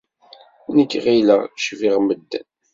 Nekk ɣileɣ cbiɣ medden.